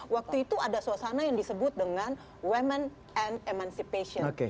waktu itu ada suasana yang disebut dengan women and emancipation